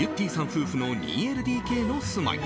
夫婦の２ＬＤＫの住まい